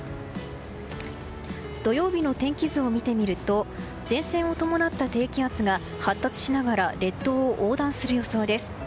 土曜日の天気図を見てみると前線を伴った低気圧が発達しながら列島を横断する予想です。